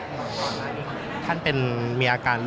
บ๊วยบ๊วยท่านเป็นมีอาการลบเหรอ